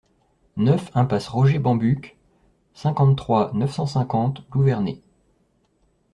neuf impasse Roger Bambuck, cinquante-trois, neuf cent cinquante, Louverné